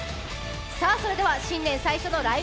さあ、それでは新年最初の「ライブ！